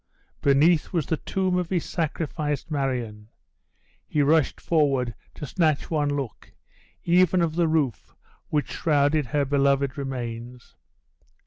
Beneath was the tomb of his sacrificed Marion! He rushed forward to snatch one look, even of the roof which shrouded her beloved remains.